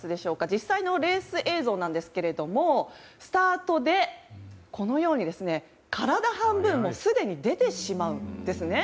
実際のレース映像ですがスタートでこのように体半分をすでに出てしまうんですね。